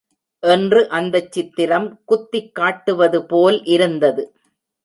என்று அந்தச் சித்திரம் குத்திக் காட்டுவதுபோல் இருந்தது.